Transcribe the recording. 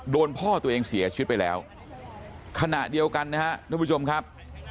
พ่อตัวเองเสียชีวิตไปแล้วขณะเดียวกันนะครับทุกผู้ชมครับ